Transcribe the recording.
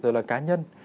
rồi là cá nhân